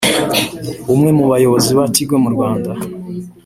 umwe mu bayobozi ba Tigo Rwanda